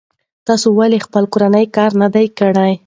تاسې ولې خپل کورنی کار نه دی کړی؟